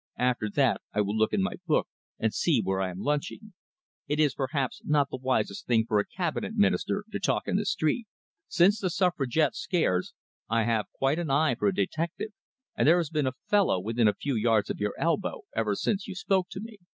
"After that I will look in my book and see where I am lunching. It is perhaps not the wisest thing for a Cabinet Minister to talk in the street. Since the Suffragette scares, I have quite an eye for a detective, and there has been a fellow within a few yards of your elbow ever since you spoke to me."